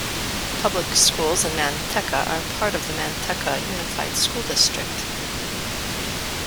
Public schools in Manteca are part of the Manteca Unified School District.